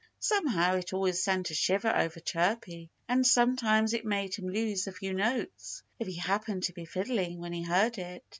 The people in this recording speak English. Somehow it always sent a shiver over Chirpy. And sometimes it made him lose a few notes if he happened to be fiddling when he heard it.